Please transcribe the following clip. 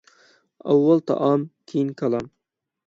ئاۋۋال تائام، كېيىن كالام.